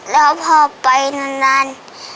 แล้วพ่อไปนาน